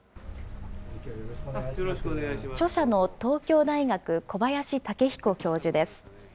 著者の東京大学、小林武彦教授です。